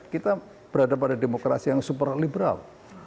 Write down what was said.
kita berada pada demokrasi yang super liberal